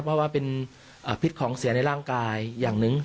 เพราะว่าเป็นพิษของเสียในร่างกายอย่างหนึ่ง